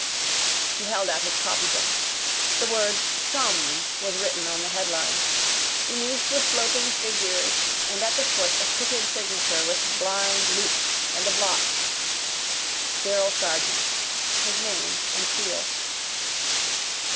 He held out his copybook. The word Sums was written on the headline. Beneath were sloping figures and at the foot a crooked signature with blind loops and a blot. Cyril Sargent: his name and seal.